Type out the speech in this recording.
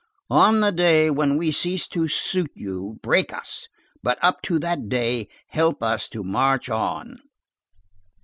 —"On the day when we cease to suit you, break us, but up to that day, help us to march on."